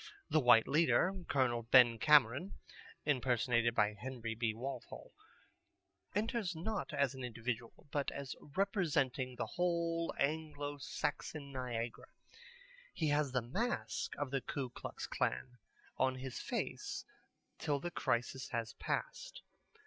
The white leader, Col. Ben Cameron (impersonated by Henry B. Walthall), enters not as an individual, but as representing the whole Anglo Saxon Niagara. He has the mask of the Ku Klux Klan on his face till the crisis has passed.